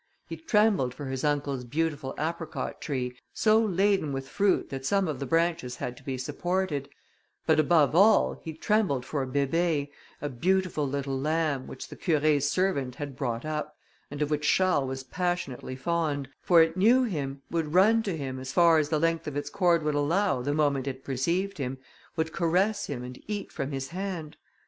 He trembled for his uncle's beautiful apricot tree, so laden with fruit that some of the branches had to be supported; but above all, he trembled for Bébé, a beautiful little lamb, which the Curé's servant had brought up, and of which Charles was passionately fond, for it knew him, would run to him, as far as the length of its cord would allow, the moment it perceived him, would caress him, and eat from his hand.